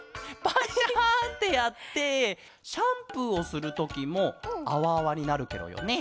バッシャってやってシャンプーをするときもあわあわになるケロよね。